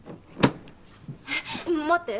えっ待って。